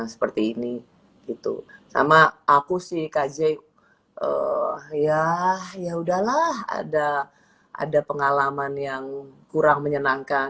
seperti ini gitu sama aku sih kj ya yaudahlah ada ada pengalaman yang kurang menyenangkan